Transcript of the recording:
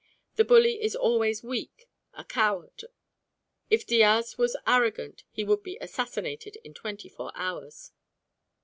The bully is always weak, a coward. If Diaz was arrogant, he would be assassinated in twenty four hours.